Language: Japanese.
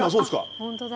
本当だ。